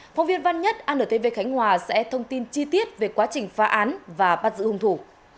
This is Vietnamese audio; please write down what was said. phóng viên văn nhất antv khánh hòa sẽ thông tin chi tiết về quá trình phá án và bắt giữ hung thủ